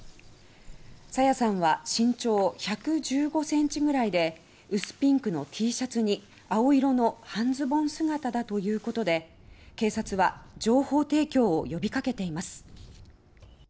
朝芽さんは身長１１５ｃｍくらいで薄ピンクのＴシャツに青色の半ズボン姿だということで警察は情報提供を呼びかけています。